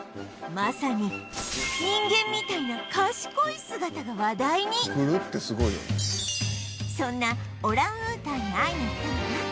まさに人間みたいにそんなオランウータンに会いに行ったのは